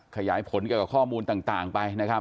ขยายผลเกี่ยวกับข้อมูลต่างไปนะครับ